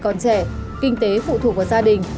còn trẻ kinh tế phụ thuộc vào gia đình